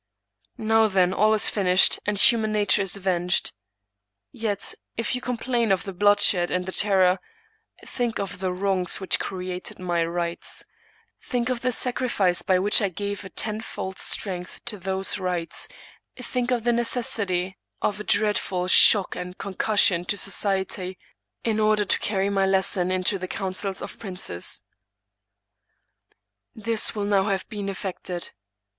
" Now, then, all is finished, and human nature is avenged. Yet, if you complain of the bloodshed and the terror, think of the wrongs which created my rights ; think of the sacri fice by which I gave a tenfold strength to those rights; think of the necessity for a dreadful concussion and shock to society, in order to carry my lesson into the councils of princes. " This will now have been effected.